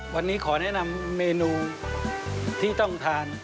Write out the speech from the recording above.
วันนี้ขอแนะนำเมนูที่ต้องทาน